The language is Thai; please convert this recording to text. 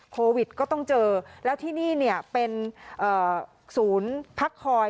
โควิดก็ต้องเจอแล้วที่นี่เนี่ยเป็นศูนย์พักคอย